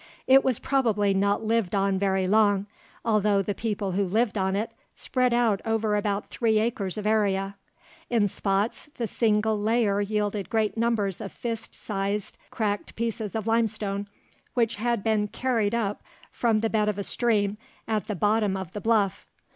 It was probably not lived on very long, although the people who lived on it spread out over about three acres of area. In spots, the single layer yielded great numbers of fist sized cracked pieces of limestone, which had been carried up from the bed of a stream at the bottom of the bluff.